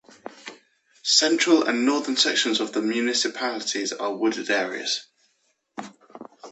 Central and northern sections of the municipalities are wooded areas.